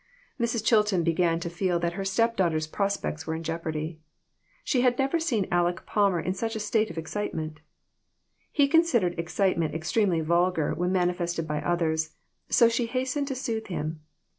Mrs. Chilton began to feel that her step daugh ter's prospects were in jeopardy. She had never seen Aleck Palmer in such a state of excitement. He considered excitement extremely vulgar when manifested by others, so she hastened to soothe him.